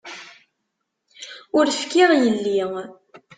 Ur fkiɣ yelli.